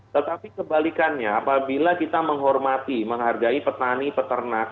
tetapi kebalikannya apabila kita menghormati menghargai petani peternak